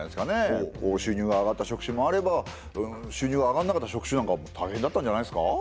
こう収入が上がった職種もあれば収入が上がんなかった職種なんか大変だったんじゃないですか。